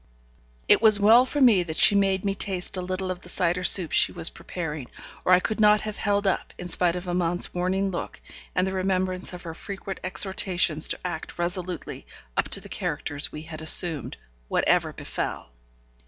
It was well for me that she made me taste a little of the cider soup she was preparing, or I could not have held up, in spite of Amante's warning look, and the remembrance of her frequent exhortations to act resolutely up to the characters we had assumed, whatever befell.